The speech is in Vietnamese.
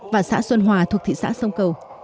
và xã xuân hòa thuộc thị xã sông cầu